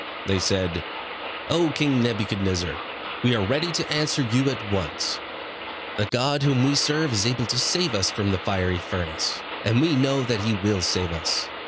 They said: "O King Nebuchadnezzar, we are ready to answer you at once. The God whom we serve is able to save us from the fiery furnace, and we know that he will save us.